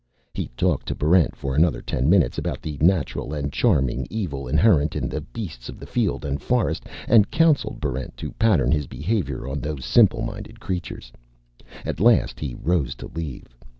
He talked to Barrent for another ten minutes about the natural and charming Evil inherent in the beasts of the field and forest, and counseled Barrent to pattern his behavior on those simple minded creatures. At last he rose to leave.